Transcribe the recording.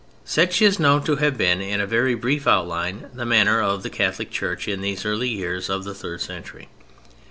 Such is known to have been, in a very brief outline, the manner of the Catholic Church in these early years of the third century.